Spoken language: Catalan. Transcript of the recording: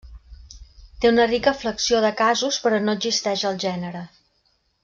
Té una rica flexió de casos però no existeix el gènere.